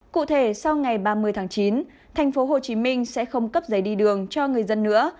cụ thể sau ngày ba mươi tháng chín tp hcm sẽ không cấp giấy đi đường cho người dân nữa